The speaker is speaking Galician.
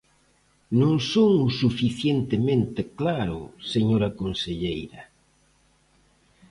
¿Non son o suficientemente claro, señora conselleira?